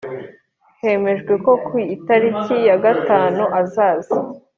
Hemejwe ko ku itariki ya gatanu azaza